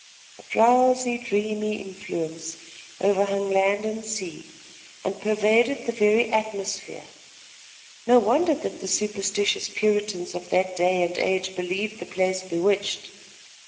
A drowsy, dreamy influence overhung land and sea and pervaded the very atmosphere. No wonder that the superstitious Puritans of that day and age believed the place bewitched.